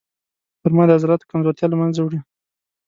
خرما د عضلاتو کمزورتیا له منځه وړي.